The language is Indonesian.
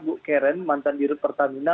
buk karen mantan diri pertamina